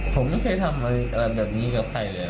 ผมไม่เคยทำอะไรแบบนี้กับใครเลย